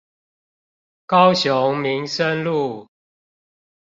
高雄民生路